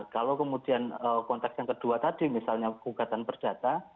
kalau kemudian kontak yang kedua tadi misalnya kegugatan perdata